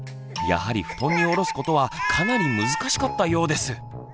やはり布団に下ろすことはかなり難しかったようです！